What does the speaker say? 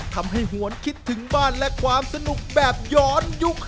หวนคิดถึงบ้านและความสนุกแบบย้อนยุค